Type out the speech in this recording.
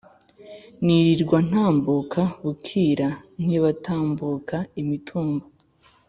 Nirirwa ntambuka bukira nkibatambuka.-Imitumba.